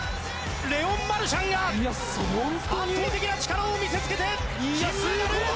レオン・マルシャンが圧倒的な力を見せつけて金メダル！